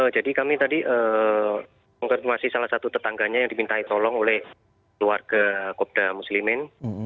jadi kami tadi mengaktivasi salah satu tetangganya yang dimintai tolong oleh keluarga kopda muslimin